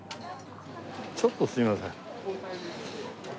ちょっとすみません。